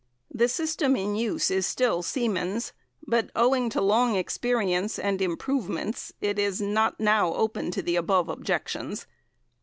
The system in use is still "Siemens," but, owing to long experience and improvements, is not now open to the above objections.